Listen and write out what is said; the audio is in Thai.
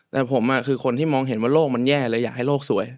แต่ผมคือคนที่มองเห็นว่าโลกมันแย่เลยอยากให้โลกสวย